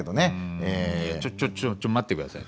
ちょちょちょっと待って下さい。